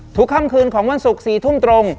ค่ำคืนของวันศุกร์๔ทุ่มตรง